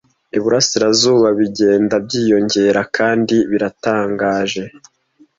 'Iburasirazuba bigenda byiyongera kandi biratangaje